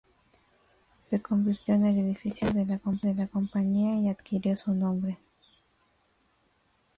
Se convirtió en el edificio insignia de la compañía y adquirió su nombre.